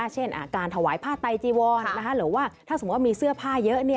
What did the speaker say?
เช่นการถวายผ้าไตจีวรหรือว่าถ้าสมมุติว่ามีเสื้อผ้าเยอะ